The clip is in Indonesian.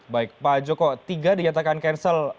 baik pak joko tiga dinyatakan cancel